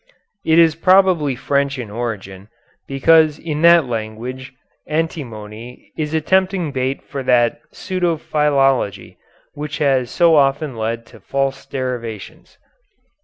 It is probably French in origin because in that language antimoine is a tempting bait for that pseudo philology which has so often led to false derivations.